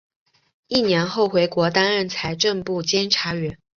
一年后回国担任财政部监察员。